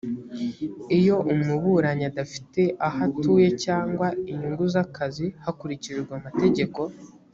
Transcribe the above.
iyo umuburanyi adafite aho atuye cyangwa inyungu z akazi hakurikijwe amategeko